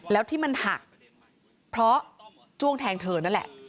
แล้วที่มันหักเพราะจ้วงแทงเธอนั่นแหละ